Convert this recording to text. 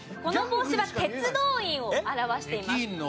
この帽子は鉄道員を表しています。